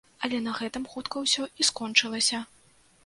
Але на гэтым хутка ўсё і скончылася.